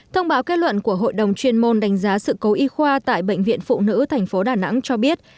thông báo kết luận của hội đồng chuyên môn đánh giá sự cố y khoa tại bệnh viện phụ nữ tp đà nẵng cho biết